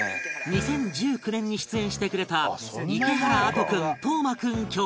２０１９年に出演してくれた池原亜飛君透真君兄弟